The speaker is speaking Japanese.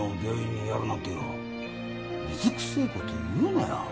水くせえこと言うなよ。